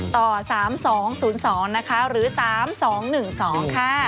ต่อ๓๒๐๒นะคะหรือ๓๒๑๒ค่ะ